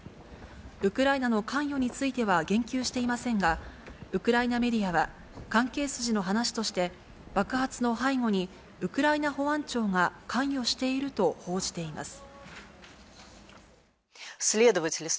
ウクライナの関与については言及していませんが、ウクライナメディアは関係筋の話として、爆発の背後にウクライナ保安庁が関与していると報じています。